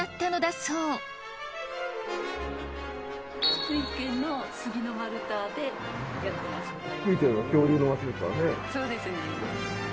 そうですね。